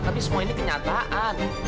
tapi semua ini kenyataan